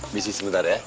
bisnis sebentar ya